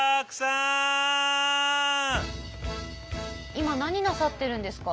今何なさってるんですか？